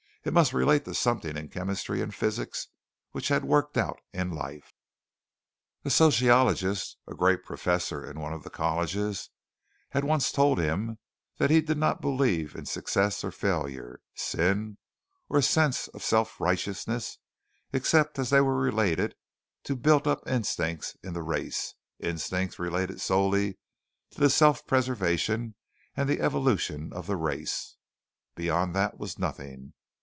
It must relate to something in chemistry and physics, which had worked out in life. A sociologist a great professor in one of the colleges had once told him that he did not believe in success or failure, sin, or a sense of self righteousness except as they were related to built up instincts in the race instincts related solely to the self preservation and the evolution of the race. Beyond that was nothing.